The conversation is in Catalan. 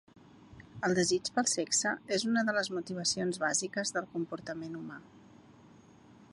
El desig pel sexe és una de les motivacions bàsiques del comportament humà.